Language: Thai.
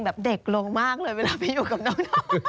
แบบเด็กลงมากเลยเวลาไปอยู่กับน้อง